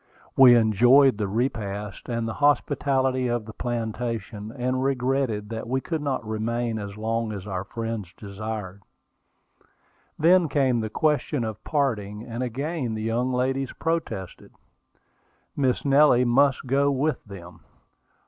We enjoyed the repast and the hospitality of the plantation, and regretted that we could not remain as long as our friends desired. Then came the question of parting, and again the young ladies protested. Miss Nellie must go with them.